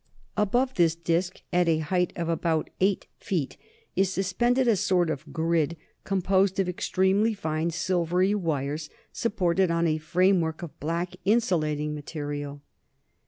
Above this disc, at a height of about eight feet, is suspended a sort of grid, composed of extremely fine silvery wires, supported on a frame work of black insulating material.